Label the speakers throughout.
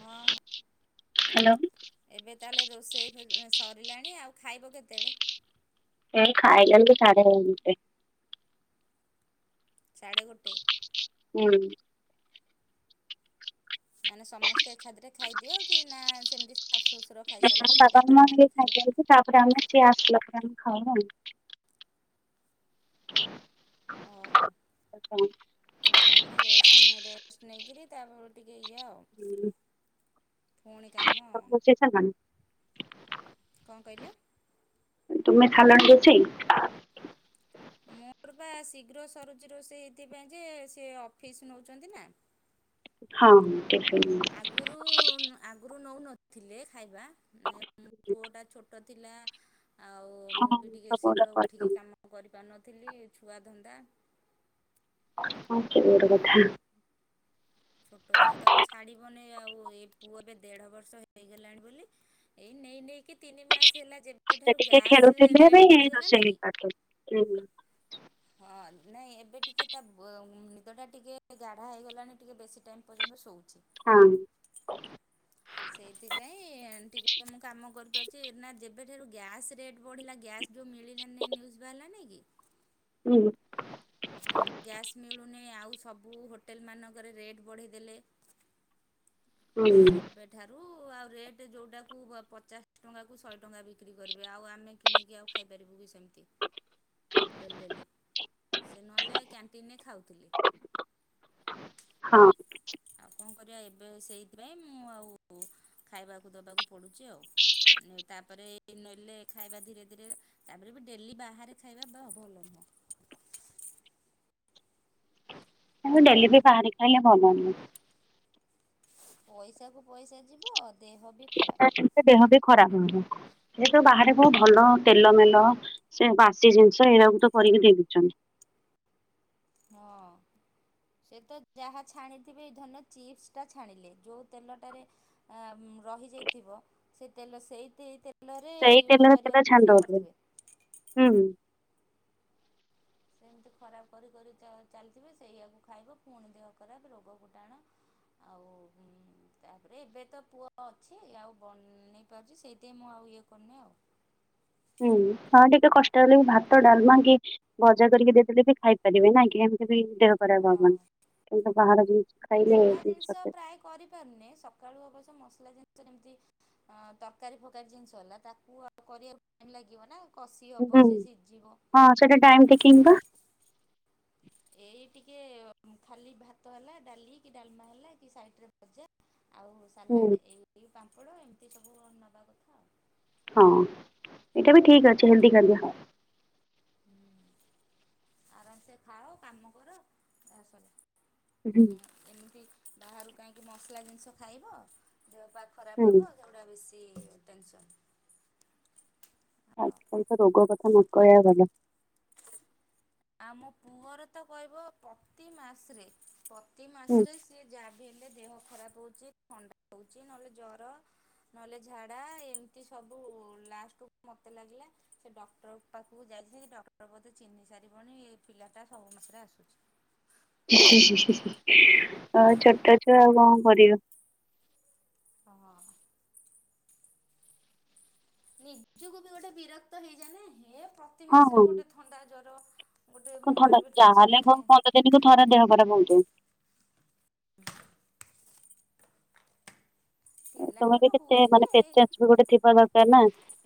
Speaker 1: ହଁ ହଁ।
Speaker 2: ହ୍ୟାଲୋ
Speaker 1: ଏବେ ତାହେଲେ ରୋଷେଇ ଫ ସରିଲାଣି ଆଉ ଖାଇବ କେତେବେଳେ?
Speaker 2: ଏ ଖାଇଲେ ବେଳେ ସାଢେ ଗୋଟେ।
Speaker 1: ସାଢ଼େ ଗୋଟେ?
Speaker 2: ହୁଁ।
Speaker 1: ମାନେ ସମସ୍ତେ ଏକାଥରେ ଖାଇଦିଅ କି ନା ସେମିତି ଶାଶୁ ଶ୍ୱଶୁର ଖାଇସାରିଲା
Speaker 2: ବାବା
Speaker 1: ପରେ
Speaker 2: ମା ଟିକେ
Speaker 1: ତମମାନେ ଖାଅ?
Speaker 2: ଖାଇଦିଅନ୍ତୁ ତାପରେ ଆମେ ସିଏ ଆସିଲ ପରେ ଆମେ ଖାଉ ଆଉ।
Speaker 1: ଓହୋ ତାପରେ ରେଷ୍ଟ ନେ ରେଷ୍ଟ ନେଇକିରି ତାପ ଟିକେ ଇଏ ଆଉ ପୁଣି କାମ।
Speaker 2: ତମେ ରୋଷେଇ ସାରିଲଣି
Speaker 1: କଣ କହିଲେ?
Speaker 2: ତୁମେ ସାରିଲଣି ରୋଷେଇ?
Speaker 1: ମୋର ବା ଶୀଘ୍ର ସରୁଚି ରୋଷେଇ ଏଇଥିପାଇଁ ଯେ ସେ ଅଫିସ୍ ନେଉଚନ୍ତି ନା।
Speaker 2: ହଁ ହଁ ଟିଫିନ୍
Speaker 1: ଆଗରୁ ଆଗରୁ ନୋଉନଥିଲେ ଖାଇବା ମୋ ଏମ ପୁଅଟା ଛୋଟ ଥିଲା ଆଉ
Speaker 2: ହଁ
Speaker 1: ମୁଁ ବି ଟିକେ
Speaker 2: ସବୁ ଗୁଡା
Speaker 1: ଶୀଘ୍ର ଉଠିକି
Speaker 2: କରିଲୁଣି
Speaker 1: କାମ ମୁଁ କରିପାରୁନଥିଲି ଛୁଆ ଧନ୍ଦା
Speaker 2: ହଁ ସିଏ ବି ଗୋଟେ କଥା।
Speaker 1: ଛୋଟ ଛୁଆ ତ ଛାଡ଼ିବନି ଆଉ ଏଇ ପୁଅ ଏବେ ଦେଢ ବର୍ଷ ହେଇଗଲାଣି ବୋଲି ଏଇ ନେଇ ନେଇକି ତିନି ମାସ ହେଲା ଯେ ଯେବେ
Speaker 2: ସେ
Speaker 1: ଠାରୁ
Speaker 2: ଟିକେ
Speaker 1: ଗ୍ୟାସ୍
Speaker 2: ଖେଳୁଥିଲେ ଏବେ
Speaker 1: ରେଟ୍ ବଢିଗଲା
Speaker 2: ରୋଷେଇ
Speaker 1: ନେଇକି
Speaker 2: କରିଦେଲି। ହୁଁ
Speaker 1: ହଁ ନାଇଁ ଏବେ ଟିକେ ତା ବ ନିଦ ଟା ଟିକେ ଗାଢା ହେଇଗଲାଣି ଟିକିଏ ବେଶୀ ଟାଇମ୍ ପର୍ଯ୍ୟନ୍ତ ଶୋଉଚି।
Speaker 2: ହଁ।
Speaker 1: ସେଇଥିପାଇଁ ଟିକେ ମୁଁ କାମ କରିପାରୁଚି ନା ଯେବେ ଠାରୁ ଗ୍ୟାସ ରେଟ୍ ବଢିଲା ଗ୍ୟାସ୍ ଯୋଉ ମିିଲିଲାନି ବାହାରିଲା ନିୟୁଜ୍ ବାହାରିଲାନି କି?
Speaker 2: ହୁଁ।
Speaker 1: ଗ୍ୟାସ୍ ମିଳୁନାଇଁ ଆଉ ସବୁ ହୋଟେଲ ମାନଙ୍କରେ ରେଟ୍ ବଢ଼େଇ ଦେଲେ।
Speaker 2: [inaudible]
Speaker 1: ସେବେ ଠୁ ଠାରୁ ଆଉ ରେଟ୍ ଯୋଉଟାକୁ ବ ପଚାଶ ଟଙ୍କାକୁ ଶହେ ଟଙ୍କା ବିକ୍ରି କରିବେ ଆଉ ଆମେ କିଣିକି ଆଉ ଖାଇପାରିବୁ କି ସେମିତି।
Speaker 2: [inaudible]
Speaker 1: Daily daily. ସେ ନହେଲେ କ୍ୟାଣ୍ଟିନ ରେ ଖାଉଥିଲେ।
Speaker 2: ହଁ।
Speaker 1: ଆଉ କଣ କରିବା ଏବେ ସେଇଥିପାଇଁ ମୁଁ ଆଉ ଖାଇବାକୁ ଦେବାକୁ ପଡ଼ୁଚି ଆଉ। ତାପରେ ନେଲେ ଖାଇବା ଧୀରେ ଧୀରେ ତାପରେ ବି ଡେଲି ବାହାରେ ଖାଇବା ବା ଭଲ ନୁହେଁ।
Speaker 2: ଆ ଡେଲି ବି ବାହାରେ ଖାଇଲେ ଭଲ ନୁହେଁ।
Speaker 1: ପଇସା କୁ ପଇସା ଯିବ ଦେହ ବି ଖରାପ
Speaker 2: [unintelligible] ଦେହ ବି ଖରାପ ହେବ। ସେ ତ ବାହାରେ କୋଉ ଭଲ ତେଲ ମେଲ ସେ ବାସି ଜିନିଷ ଏଇଡାକୁୁ ତ କରିକି ଦେଇଦଉଚନ୍ତି।
Speaker 1: ହଁ। ସେ ତ ଯାହା ଛାଣିଥିବେ ଏଇ ଧରିନିଅ ଚିପ୍ସ ଟା ଛାଣିଲେ ଯୋଉ ତେଲଟାରେ ଆଁ-ମ୍ ରହିଯାଇଥିବ ସେ ତେଲ ସେଇେତି ତେ ତେଲରେ
Speaker 2: ସେଇ
Speaker 1: ୟୁଜ୍
Speaker 2: ତେଲରେ ତେଲ ଛାଣି
Speaker 1: କରିବାର ବି
Speaker 2: ଦଉଥିଲେ
Speaker 1: କରିଥିବେ।
Speaker 2: ହୁଁ।
Speaker 1: ସେମିତି ଖରାପ କରି କରି ଚା-ଚାଲିଥିବେ ସେଇଆକୁ ଖାଇବ ପୁଣି ଦେହ ଖରାପ୍ ରୋଗକୁ ଟାଣ ଆଉ ଉଁ ତାପରେ ଏବେ ତ ପୁ-ଅ ଅଛି ଆଉ ବ-ନେଇ ପାରୁଚି ସେଇଥିଆଇଁ ମୁଁ ଆଉ ଇଏ କରୁନି ଆଉ।
Speaker 2: ହୁଁ ହଁ ଟିକେ କଷ୍ଟ ହେଲେ ବି ଭାତ ଡାଲମା କି ଭଜା କରିକି ଦେଇଦେଲେ ବି ଖାଇପାରିବେ ନାଇଁ କି ଆନ୍ ସେଥିରେ ବି ଦେହ
Speaker 1: ହଁ
Speaker 2: ଖରାପ୍ ହବନି କିନ୍ତୁ ବାହାର ଜିନିଷ ଖାଇଲେ
Speaker 1: ମସଲା
Speaker 2: [inaudible]
Speaker 1: ଜିନିଷ
Speaker 2: ସତେ
Speaker 1: ପ୍ରାୟ କରିପାରୁନି ସକାଳୁ ଅବଶ୍ୟ ମସଲା ଜିନି-ଷ ଯେମିତି ଅଁ ତରକାରୀ ଫକାରୀ ଜିନିଷ ହେଲା ତାକୁ ଆ-ଉ କରିଆକୁ ଟାଇ-ମ ଲାଗିବ ନା। କଷି
Speaker 2: ହୁଁ
Speaker 1: ହବ ସିଏ ସିଜିବ।
Speaker 2: ହଁ ସେଇଟା ଟାଇମ୍ ଟେକିଙ୍ଗ୍ ପା।
Speaker 1: ଏଇ ଟିକେ ଖାଲି ଭାତ ହେଲା ଡାଲି କି ଡାଲମା ହେଲା କି ସାଇଟ୍ ରେ ଭଜା ଆଉ
Speaker 2: ହୁଁ
Speaker 1: ସାଲାଡ୍ ଏଇ-ଏଇ ପାମ୍ପଡ଼ ଏମିତି ସବୁ ନବା କଥା ଆଉ।
Speaker 2: ହଁ ଏଇଟା ବି ଠିକ୍ ଅଛି ହେଲ୍ଦି ଖାଦ୍ୟ।
Speaker 1: ହୁଁ ଆରାମସେ ଖାଅ କାମ କର ଯା ସିଲାଇ। ହୁଁ ଏମିତି ବାହାରୁ କାହିଁକି ମସଲା ଜିନିଷ ଖାଇବ ଦେହପା ଖରାପ୍
Speaker 2: ହୁଁ
Speaker 1: ହବ ସେଗୁଡା ବେଶୀ ଟେନସନ୍। ଆଉ
Speaker 2: ଆଜିକାଲି ତ ରୋଗ କଥା ନକହିଆ ଭଲ।
Speaker 1: ଆମ ପୁଅର ତ କହିବ ପ୍ରତି ମାସ୍ ରେ ପ୍ରତି ମାସ୍
Speaker 2: ହୁଁ
Speaker 1: ରେ ସେ ସିଏ ଜାହା ବି ହେଲେ ଦେହ ଖରାପ୍ ହଉଛି ଥ-ଣ୍ଡା ହଉଚି ନହେଲେ ଜର ନହେଲେ ଝାଡା ଏମିତି ସବୁ ଲାଷ୍ଟକୁ ମତେ ଲାଗିଲା ସେ ଡକ୍ଟର ପାଖୁକୁ ଯାଇଥି ଡ-କ୍ଟର ବୋଧେ ଚିହ୍ନି ସାରିବଣି ଏଇ ପିଲାଟା ସବୁ ମାସେରେ ଆସୁଚି।
Speaker 2: ହି ହି ହି ହି ଆଉ ଛୋଟ ଛୁଆ ଆଉ କଣ କରିବା।
Speaker 1: ହଁ। ନିଜୁକୁ ବି ଗୋଟେ ବିରକ୍ତ ହେଇଯାଏନା ହେ ପ୍ରତି
Speaker 2: ହଁ ହଁ
Speaker 1: ମାସେରେ ଗୋଟେ ଥଣ୍ଡା ଜର ଗୋଟେ
Speaker 2: କଣ ଥଣ୍ଡା
Speaker 1: ମୁଣ୍ଡରେ ବି ଟେନସନ୍
Speaker 2: ଯାହାହେଲେ
Speaker 1: ହେଇଯାଏ।
Speaker 2: [inaudible]
Speaker 1: [unintelligible]
Speaker 2: ତମେ
Speaker 1: ପିଲାଙ୍କର
Speaker 2: ବି କେତେ
Speaker 1: ହୁଏ ଯେ
Speaker 2: ମାନେ ପେସେନ୍ସେ ବି ଗୋଟେ ଥିବା ଦରକାର ନା।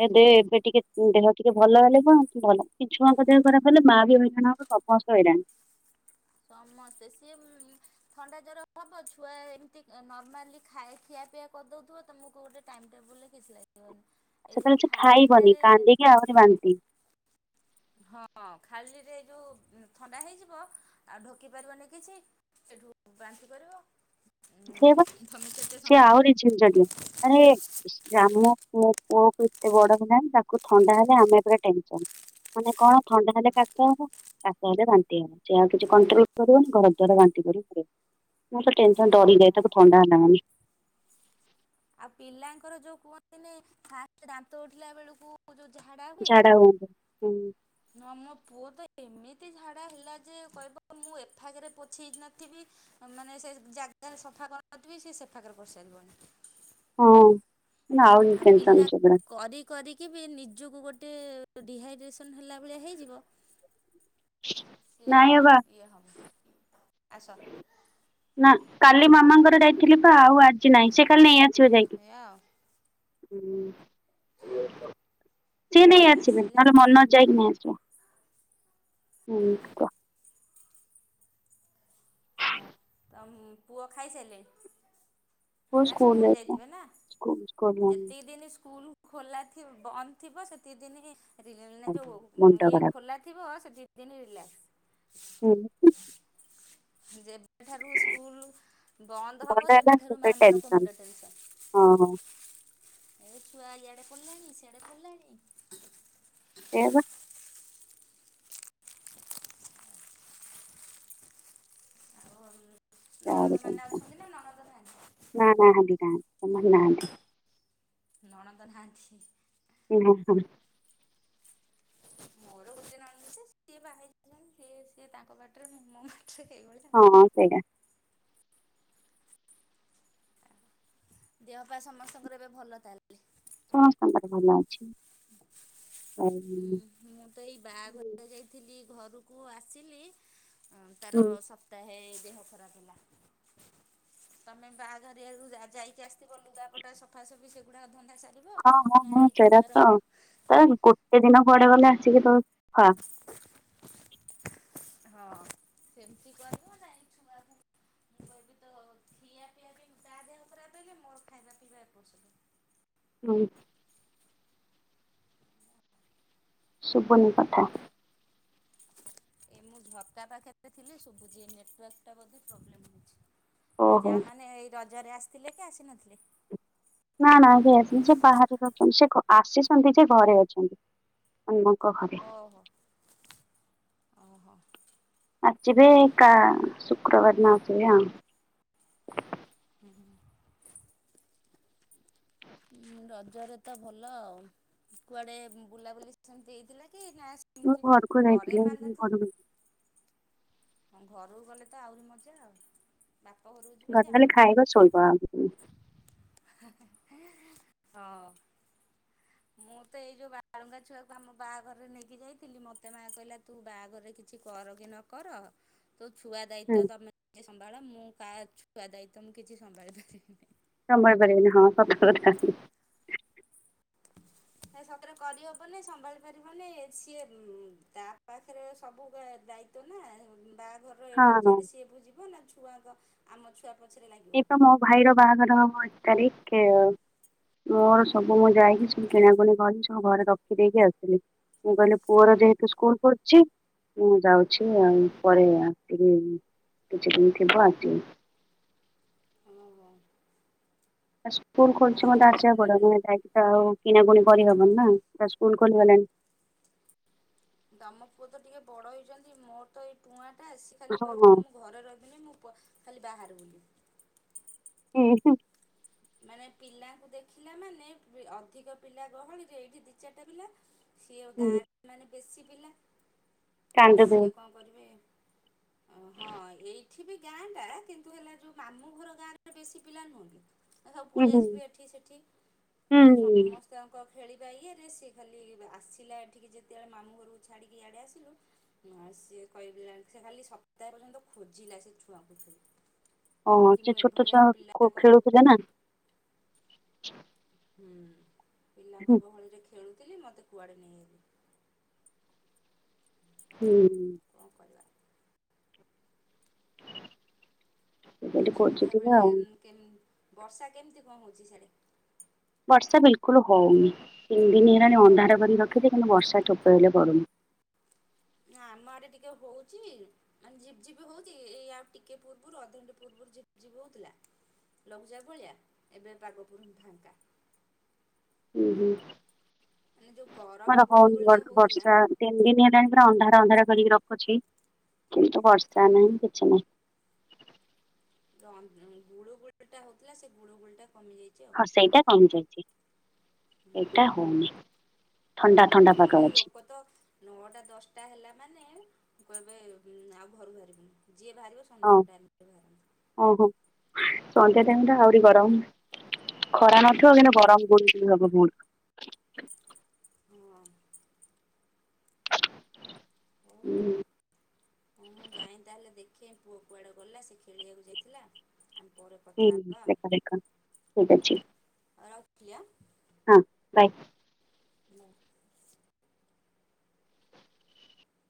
Speaker 2: ଏବେ ଏବେ ଟିକେ ଦେହ ଟିକେ ଭଲ ହେଲେ କଣ ଭଲ। କି ଛୁଆଙ୍କ ଦେହ ଖରାପ ହେଲେ ମା ବି ହଇରାଣ ହବ। ସମସ୍ତେ ହଇରାଣ।
Speaker 1: ସମସ୍ତେ ସିଏ ମ୍ ଥଣ୍ଡା ଜ୍ୱର ହବ ଛୁଆ ଏମିତି ନର୍ମାଲି ଖାଇ-ଖିଆ ପିଆ କରିଦଉଥିବ ତମୁକୁ ଗୋଟେ ଟାଇମ୍ ଟେବୁଲରେ କିଛି ଲାଗିବନି। ଏଇ ଯେଉଁ
Speaker 2: ସେତେଳେ କିଛି ଖାଇବନି
Speaker 1: ଖାଲିଟାରେ
Speaker 2: କାନ୍ଦିକି ଆହୁରି ବାନ୍ତି।
Speaker 1: ହଁ ଖାଲିରେ ଯୋଉ ଥଣ୍ଡା ହେଇଯିବ ଆଉ ଢୋକି ପାରିବନି କିଛି ସେଠୁ ବାନ୍ତି କରିବ ଉଁ
Speaker 2: ସେ ବା
Speaker 1: ତମେ କେତେ
Speaker 2: ସେ
Speaker 1: ସମ୍ଭାଳିବ।
Speaker 2: ଆହୁରି ଝିନଝଟିଆ। [unintelligible] ଜାମ ମୋ ପୁଅ-ପୁଅକୁ ଏତେ ବଡ ହେଲାଣି ତାକୁ ଥଣ୍ଡା ହେଲେ ଆମେ ଏପଟେ ଟେନସନ୍। ମାନେ କଣ ଥଣ୍ଡା ହେଲେ କାଶ ହବ କାଶ ହେଲେ ବାନ୍ତି ହେବ ସେ ଆଉ କିଛି କଣ୍ଟ୍ରୋଲ କରିବନି ଘର ଦ୍ୱାର ବାନ୍ତି କରିକି ପକେଇ ଦବ ମଣିଷ ଟେନସ ଡରି ଯାଏ ତାଙ୍କୁ ଥଣ୍ଡା ହେଲା ମାନେ।
Speaker 1: ଆଉ ପିଲାଙ୍କର ଯୋଉ କୁହନ୍ତିନ ଫାଷ୍ଟ ଦାନ୍ତ ଉଠିଲା ବେଳୁକୁ ତାଙ୍କୁ ଜଉ ଝାଡ଼ା ହୁଏ।
Speaker 2: ଝାଡା ହୁଅନ୍ତି
Speaker 1: ନା ମୋ ପୁଅ ତ ଏମିତି ଝାଡ଼ା ହେଲା ଯେ କହିବ ମୁଁ ଏଫାଗରେ ପୋଛେଇ ନଥିବି ମାନେ ସେ ଜାଗାରେ ସଫା କରି ନଥିବି ସେ ସେଫାଖରେ କରି ସାରିବଣି।
Speaker 2: ହଁ
Speaker 1: ଆଉ
Speaker 2: ଟେନସନ
Speaker 1: ପିଲା
Speaker 2: ସେଗୁଡା
Speaker 1: କରି କରିକି ବି ନିଜକୁ ଗୋଟେ ଡିହାଇଡ୍ରେସନ ହେଲା ଭଳିଆ ହେଇଯିବ ସେ
Speaker 2: ନାଇଁ ଅବା
Speaker 1: ଇଏ ହବ ଆସ
Speaker 2: ନା କାଲି ମାମାଙ୍କର ଯାଇଥିଲି ପା ଆଉ ଆଜି ନାଇଁ ସେ କାଲି ନେଇଆସିବ ଯାଇକି।
Speaker 1: ଏଇଆ ଆଉ
Speaker 2: ହୁଁ। ସିଏ ନେଇ
Speaker 1: ଏଇ
Speaker 2: ଆସିବେ
Speaker 1: ଆସିଲା।
Speaker 2: ନହେଲେ ମନୋଜ ଯାଇକି ନେଇ ଆସିବ। ହୁଁ।
Speaker 1: ଅ ତ ପୁଅ ଖାଇସାଇଲେ?
Speaker 2: ପୁଅ
Speaker 1: ନା ସ୍କୁଲ
Speaker 2: ଯାଇଥିଲା
Speaker 1: ଯାଇଥିବେ ନା
Speaker 2: ସ୍କୁଲ ସ୍କୁଲ
Speaker 1: ଯେତିକି ଦିନ ସ୍କୁଲ ଖୋଲା ଥିବ ବନ୍ଦ ଥିବ ସେତିକି ଦିନ ରିଲ ଯୋଉ
Speaker 2: ମୁଣ୍ଡ
Speaker 1: ଇଏ
Speaker 2: ଖରାପ
Speaker 1: ଖୋଲା ଥିବ ସେ ଦିନି ରିଲାଷ୍କ।
Speaker 2: ହୁଁ।
Speaker 1: ଯେବେଠାରୁ ସ୍କୁଲ ବନ୍ଦ
Speaker 2: ଭଲ
Speaker 1: ହବ
Speaker 2: ହେଲା
Speaker 1: ସେବେଠାରୁ
Speaker 2: ସେତ
Speaker 1: ମାଆ ମାନଙ୍କ
Speaker 2: ଟେନସନ
Speaker 1: ମୁଣ୍ଡ ଟେନସନ୍।
Speaker 2: ହଁ।
Speaker 1: ଏଇ ଛୁଆ ଇଆଡେ କଲେଣି ସିଆଡେ କଲେଣି।
Speaker 2: ସେଇଆ ପା।
Speaker 1: ଆଉ
Speaker 2: ଆହୁରି
Speaker 1: ନଣନ୍ଦମାନେ
Speaker 2: ଟେନସନ।
Speaker 1: ଅଛନ୍ତି ନା ନଣନ୍ଦ ନାହାଁନ୍ତି?
Speaker 2: ନା ନାହାଁନ୍ତି କାଇଁ ନା ନାହାଁନ୍ତି।
Speaker 1: ନଣନ୍ଦ ନାହାଁନ୍ତି।
Speaker 2: ହୁଁ ହୁଁ।
Speaker 1: ମୋର ଗୋଟେ ନଣନ୍ଦ ଜେ ସିଏ ବାହାହେଇ ସାରିଲେଣି ସିଏ ତାଙ୍କ ବାଟରେ ମୁଁ ମୋ ବାଟରେ। କାଇ ଗ [inaudible]
Speaker 2: ଆଜ୍ଞା।
Speaker 1: ଦେହ ପା ସମସ୍ତଙ୍କର ଏବେ ଭଲ ତାହେଲେ?
Speaker 2: ସମସ୍ତଙ୍କର ଭଲ ଅଛି। ଆଉ
Speaker 1: ମୁଁ ତ ଏଇ ବାହାଘରରେ ଯାଇଥିଲି ଘରକୁ ଆସିଲି ଅଁ ତାର
Speaker 2: ହୁଁ
Speaker 1: ସପ୍ତାହେ ଦେହ ଖରାପ ହେଲା। ତମେ ବାଆଘରିଆକୁ ଯାଇକି ଆସିବ ଲୁଗାପଟା ସଫାସଫି ସବୁ ଗୁଡ଼ାକ ଧନ୍ଦା ସାରିବ
Speaker 2: ହଁ ହଁ
Speaker 1: ନା
Speaker 2: ହଁ
Speaker 1: ଏଇ
Speaker 2: ସେରା
Speaker 1: ଛୁଆର
Speaker 2: ତ ତ ଗୋଟେ ଦିନ କୁଆଡେ ଗଲେ ଆସିକି ତମେ ଫାଁ।
Speaker 1: ହଁ ସେମିତି କରିବ ନା ଏଇ ଛୁଆଙ୍କୁ ମୁଁ କହିବି ତ ଖିଆ ପିଆବି ତା ଦେହ ଖରାପ ହେଲେ ମୋ ଖାଇବା ପିଇବା ଏପଟ ସେପଟ।
Speaker 2: ହଁ। ଶୁବୁନି କଥା।
Speaker 1: ଏ ମୁଁ ଝର୍କା ପାଖରେ ଥିଲି ଶୁଭୁଛି ଏ ନେଟାର୍କ ଟା ବୋଧେ ପ୍ରୋବ୍ଲେମ ହଉଛି। ଆଉ
Speaker 2: ଓହୋ
Speaker 1: ଯାଆମାନେ ଏଇ ରଜରେ ଆସିଥିଲେ କି ଆସିନଥିଲେ?
Speaker 2: ନା ନା କେହି ଆସିି ସେ ବାହାରେ ରହୁସନ୍ତି ସେ ଆସିଛନ୍ତି ଜେ ଘରେ ଅଛନ୍ତି। ଅନମକଥା [inaudible]
Speaker 1: ଓହୋ ଓହୋ।
Speaker 2: ଆଚି ବେ କା, ଶୁକ୍ରବାର ମା ଆସିବେ ଆଉ।
Speaker 1: ହୁଁ ହୁଁ ଉଁ ରଜରେ ତ ଭଲ ଆଉ, କୁଆଡେ ବୁଲାବୁଲି ସେମିତି ହେଇଥିଲା କି ନା
Speaker 2: ମୁଁ
Speaker 1: ଏମତି,
Speaker 2: ଘରକୁ
Speaker 1: ଘରେ
Speaker 2: ଯାଇଥିଲି
Speaker 1: ମାନେ
Speaker 2: ମୁଁ
Speaker 1: ତ
Speaker 2: ଘରକୁ
Speaker 1: ହଁ ଘରକୁ ଗଲେ ତ ଆହୁରି ମଜା ଆଉ। ବାପ ଘରୁକୁ
Speaker 2: ଘରେ ଖାଲି ଖାଇବ, ଶୋଇବ, ଆଉ କିଛି ନାହିଁ।
Speaker 1: ହେ ହେ ହେଁ, ହଁ ମୁଁ ତ ଏଇ ଯୋଉ ବାଳଙ୍ଗା ଛୁଆକୁ ଆମ ବାହାଘରରେ ନେଇକି ଯାଇଥିଲି, ମୋତେ ମାଆ କହିଲା ତୁ ବାହାଘରରେ କି କିଛି କର କି ନ କର ତୁ ଛୁଆ
Speaker 2: ହୁଁ
Speaker 1: ଦାୟିତ୍ଵଟା ନେ ସମ୍ଭାଳ, ମୁଁ କାହା ଛୁଆ ଦାୟିତ୍ବ ମୁଁ କିଛି ସମ୍ଭାଳି ପାରିବିନି।
Speaker 2: ସମାଳି ପାରିବିନି, ହଁ ସତ କଥା।
Speaker 1: ସତରେ କରିହବନାଇ, ସମ୍ଭାଳି ପାରିବନି, ସିଏ ତା ପାଖରେ ସବୁ ଦା ଦାୟି ତ୍ବ ନା, ବାହାଘରର ଏ
Speaker 2: ହଁ
Speaker 1: ଠୁ
Speaker 2: ହଁ।
Speaker 1: ଯେଡ଼େ ସିଏ ବୁଯିବନା, ଛୁଆଙ୍କ ଆମ ଛୁଆ ପଛରେ ଲାଗିବ।
Speaker 2: ଏଇ ତ ମୋ ଭାଇର ବାହାଘର ହବ ଏକ ତାରିଖ୍ ପଠେଇବ। ମୋର ସବୁ ମୁଁ ଯାଇକି ସବୁ କିଣାକୁଣି କଲି, ସବୁ ଘରେ ରଖି ଦେଇକି ଆସିଲି। ମୁଁ କହିଲି ପୁଅର ଯେହେତୁ ସ୍କୁଲ୍ ଖୋଲିଚି, ମୁଁ ଯାଉ [unintelligible] ଆଉ ପରେ ଆସିବି, କିଛିଦିନି ଥିବ ଆସିବି।
Speaker 1: ଆମ ଗାଁ।
Speaker 2: ତା ସ୍କୁଲ ଖୋଲିଛି ମତେ ଆସିବାକୁ
Speaker 1: ଝାମେଲାରେ
Speaker 2: ପଡିବ, ମୁଁ ଯାଇକି ତ ଆଉ କିଣାକୁୁଣି କରିହବନି ନା, ତା ସ୍କୁଲ ଖୋଲିଗଲାଣି।
Speaker 1: ତମ ପୁଅ ତ ଟିକି ବଡ଼ ହେଇଚନ୍ତି, ମୋର ତ ଏଇ ଟୁଆଁଟା, ସେ ଖାଲି
Speaker 2: ହଁ ହଁ
Speaker 1: କହିବ ମୁଁ ଘରେ ରହିବିନି, ମୁଁ ଖାଲି ବାହାରେ ବୁଲିବି।
Speaker 2: ଉଁ ହୁଁ
Speaker 1: ମାନେ ପିଲାଙ୍କୁ ଦେଖିଲା ମାନେ, ଅଧିକ ପିଲା ଗହଳିରେ, ଏଇଠି ଦି ଚାରିଟା ପିଲା ସିଏ
Speaker 2: ହୁଁ
Speaker 1: ଗାଁରେ ମାନେ ବେଶୀ ପିଲା,
Speaker 2: କାନ୍ଦୁଥିବେ
Speaker 1: ସିଏ କଣ କରିବେ ଓ ହଁ, ଏଇଠି ବି ଗାଁ ଟା କିନ୍ତୁ ହେଲା ଯୋଉ ମାମୁଁ ଘର ଗାଁରେ ବେଶୀ ପିଲା ନୁହଁ କି ଏ ସବୁ
Speaker 2: ହୁଁ
Speaker 1: ପଳେଇ
Speaker 2: ହୁଁ
Speaker 1: ଆସିବେ ଏଠି ସେଠି, ସେ
Speaker 2: ହୁଁ
Speaker 1: ସମସ୍ତ୍ ତାଙ୍କ ଖେଳିବା ଇଏରେ, ସିଏ ଖାଲି ଆସିଲା ଏଠିକି ଯେତେବେଳେ ମାମୁଁ ଘରକୁ ଛାଡ଼ିକି ଇଆଡ଼େ ଆସିଲୁ ମା ସିଏ କହିଦେଲାଣି, ସେ ଖାଲି ସପ୍ତାର ଯାକ ଖୋଜିଲା ସେ ଛୁଆକୁ ଖାଲି।
Speaker 2: ହଁ
Speaker 1: କି
Speaker 2: ସେ
Speaker 1: ମୁଁ
Speaker 2: ଛୋଟ
Speaker 1: ଏଭଳିଆ
Speaker 2: ଛୁଆ ଖୋ-
Speaker 1: ପିଲାଙ୍କ
Speaker 2: ଖେଳୁଥିଲେ ନା
Speaker 1: ହୁଁ, ପିଲାଙ୍କ
Speaker 2: ହୁଁ
Speaker 1: ଗହଳିରେ ଖେଳୁଥିଲି, ମତେ କୁଆଡେ ନେଇଆଇଲେ? [unintelligible]
Speaker 2: ହୁଁ
Speaker 1: କଣ କରିବା?
Speaker 2: ସେ ସେଇଠି
Speaker 1: ଆଉ
Speaker 2: ଖୋଜୁଥିବେ
Speaker 1: ସନ୍ଧ୍ୟାବେଳେ
Speaker 2: ଆଉ
Speaker 1: ଉମ୍ କେମ୍, ବର୍ଷା କେମିତି କଣ ହଉଚି ସିଆଡେ?
Speaker 2: ବର୍ଷା ବିଲକୁଲ ହଉନି, ତିନି ଦିନି ହେଲାଣି ଅନ୍ଧାର କରିକି ରଖିଛି କିନ୍ତୁ ବର୍ଷା ଠୋପେ ହେଲେ ପଡୁନି।
Speaker 1: ନା ଆମ ଆଡେ ଟିକେ ହଉଚି ମାନେ ଝିପ୍ ଝିପ୍ ହଉଚି, ଏଇ ଆଉ ଟିକେ ପୂର୍ବରୁ ଅଧଘଣ୍ଟେ ପୂର୍ବରୁ ଝିପ୍ ଝିପ୍ ହଉଥିଲା। ଲଘୁଚାପ ଭଳିଆ, ଏବେ ପାଗ ପୁରା ଫାଙ୍କା।
Speaker 2: ଉଁ ହୁଁ
Speaker 1: ମାନେ ଯଉ ଗର
Speaker 2: କୁଆଡେ ହଉନି କୁଆଡେ ବର୍ଷା ତିନି ଦିନ ହେଲାଣି ପୁରା ଅନ୍ଧାର ଅନ୍ଧାର କରିକି ରଖୁଚି କିନ୍ତୁ ବର୍ଷା ନାହିଁ କିଛି ନାହିଁ।
Speaker 1: ଯ ଅ ଗୁଳୁଗୁଳି ଟା ହଉଥିଲା, ସେ ଗୁଳୁଗୁଳି ଟା କମି ଯାଇଚି।
Speaker 2: ହଁ ସେଇଟା କମି ଯାଇଚି,
Speaker 1: ହୁଁ
Speaker 2: ଏଇଟା ହଉନି। ଥଣ୍ଡା ଥଣ୍ଡା
Speaker 1: ନହେଲେ
Speaker 2: ପାଗ
Speaker 1: ଲୋକ
Speaker 2: ଅଛି।
Speaker 1: ତ ନଅଟା ଦଶଟା ହେଲା ମାନେଁ କହିବେ! ଆଉ ଘରୁ ବାହାରିବିନି ଯିଏ ବାହାରିବ
Speaker 2: ହଁ
Speaker 1: ସନ୍ଧ୍ୟା ଟାଇମ୍ ରେ ବାହାରନ୍ତି।
Speaker 2: ଓହୋ, ସନ୍ଧ୍ୟା ଟାଇମ ଟା ଆହୁରି ଗରମ। ଖରା
Speaker 1: ହୁଁ
Speaker 2: ନଥିବ କିନ୍ତୁ ଗରମ ଗୁଳୁଗୁଳି ହବ ବୋହୁତ।
Speaker 1: ହଁ। ଉଁ ହଁ ମୁଁ ଯାଇଁ ତାହେଲେ ଦେଖ କେ ପୁଅ କୁଆଡ଼େ ଗଲା ସେ ଖେଳିବାକୁ ଯାଇଥିଲା। ଆମେ ପରେ
Speaker 2: ହୁଁ
Speaker 1: କଥା ହେବା ଆଉ,
Speaker 2: ଦେଖା ଦେଖା ଠିକ୍
Speaker 1: ହଉ
Speaker 2: ଅଛି
Speaker 1: ଆ ରଖିଲି ଆଁ।
Speaker 2: ହଁ, ବାଏ।
Speaker 1: ନାଁ